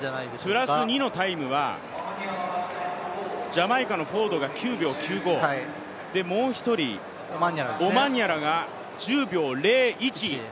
プラス２のタイムはジャマイカのフォードが９秒９５、もう１人、オマンヤラが１０秒０１。